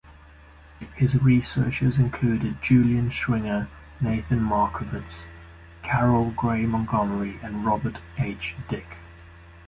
His researchers included Julian Schwinger, Nathan Marcuvitz, Carol Gray Montgomery, and Robert H. Dicke.